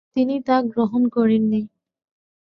তিনি তা গ্রহণ করেননি।